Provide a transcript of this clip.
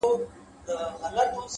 وركه يې كړه’